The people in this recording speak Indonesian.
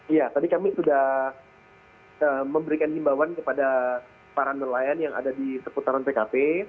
iya tadi kami sudah memberikan himbawan kepada para nelayan yang ada di seputaran pkp